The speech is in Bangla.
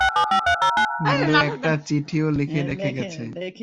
নীলু একটা চিঠিও লিখে রেখে গেছে।